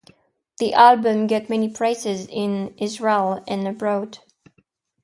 The album got many praises in Israel and abroad.